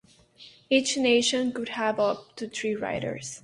Each nation could have up to three riders.